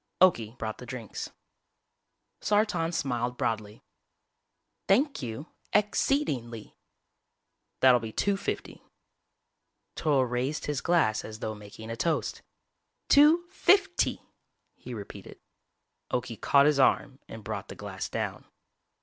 Okie brought the drinks. Sartan smiled broadly. "Thank you ex ceed ing ly." "That'll be two fifty." Toryl raised his glass as though making a toast. "Two fif ty!" he repeated. Okie caught his arm and brought the glass down.